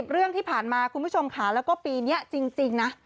เรื่องที่ผ่านมาคุณผู้ชมค่ะแล้วก็ปีนี้จริงนะ